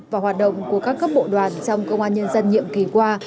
và hoạt động của các cấp bộ đoàn trong công an nhân dân nhiệm kỳ qua